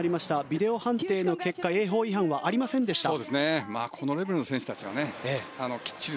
ビデオ判定の結果泳法違反はありませんでした。